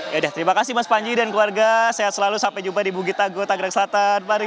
yaudah terima kasih mas fadji dan keluarga sehat selalu sampai jumpa di bukit dago tangerang selatan mari